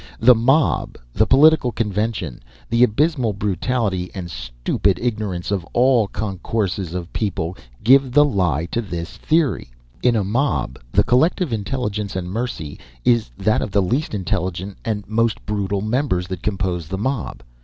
The mob, the political convention, the abysmal brutality and stupid ignorance of all concourses of people, give the lie to this theory. In a mob the collective intelligence and mercy is that of the least intelligent and most brutal members that compose the mob.